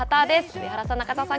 上原さん、中澤さん